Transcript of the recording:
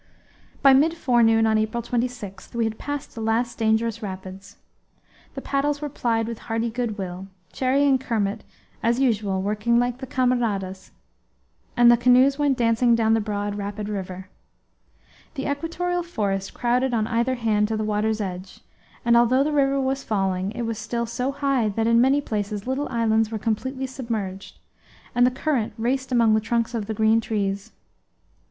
By mid forenoon on April 26 we had passed the last dangerous rapids. The paddles were plied with hearty good will, Cherrie and Kermit, as usual, working like the camaradas, and the canoes went dancing down the broad, rapid river. The equatorial forest crowded on either hand to the water's edge; and, although the river was falling, it was still so high that in many places little islands were completely submerged, and the current raced among the trunks of the green trees.